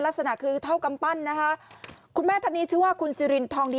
ลักษณะคือเท่ากำปั้นนะคะคุณแม่ท่านนี้ชื่อว่าคุณซิรินทองดี